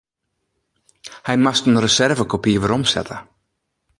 Ik moast in reservekopy weromsette.